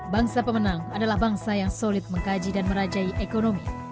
bangsa pemenang adalah bangsa yang solid mengkaji dan merajai ekonomi